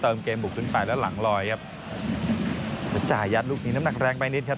เกมบุกขึ้นไปแล้วหลังลอยครับแล้วจ่ายัดลูกนี้น้ำหนักแรงไปนิดครับ